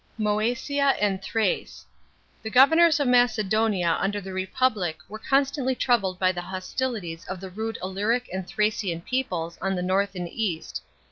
§ 12. MCESIA AND THRACK. — The governors of Macedonia under the Republic were constantly troubled by the hostilities of the rude Illyric and Thracian peoples on the north and east.